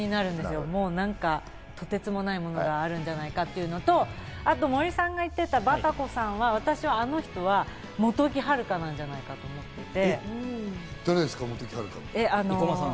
とてつもないものがあるんじゃないかというのと、森さんが言っていたバタコさんは私はあの人は本木陽香なんじゃないかと思っていて。